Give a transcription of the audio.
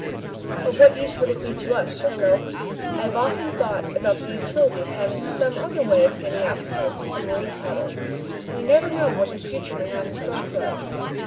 "Of what use could it be to us, Serko?" "I have often thought about the utility of having some other way of getting out besides the submarine tunnel. We never know what the future may have in store for us."